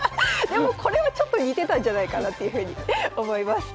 でもこれもちょっと似てたんじゃないかなっていうふうに思います。